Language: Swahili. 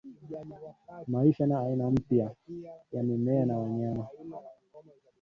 maisha na aina mpya ya mimea na wanyama